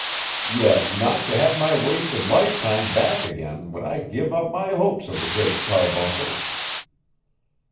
Yet not to have my wasted lifetime back again would I give up my hopes of the Great Carbuncle!